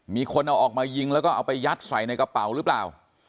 มีคนเอาออกมายิงแล้วก็เอาไปยัดใส่ในกระเป๋าหรือเปล่า